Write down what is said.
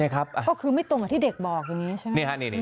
ก็คือไม่ตรงกับที่เด็กบอกอย่างนี้ใช่ไหม